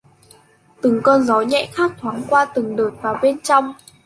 Những cơn gió nhẹ khác thoáng qua từng đợt vào bên trong